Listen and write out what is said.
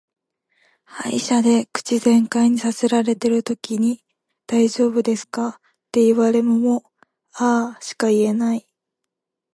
歯医者で口全開にさせられてるときに「大丈夫ですか」って言われもも「あー」しか言えない。